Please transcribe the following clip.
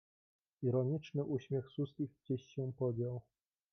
"Ironiczny uśmiech z ust ich gdzieś się podział."